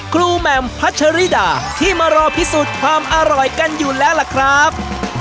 แหม่มพัชริดาที่มารอพิสูจน์ความอร่อยกันอยู่แล้วล่ะครับ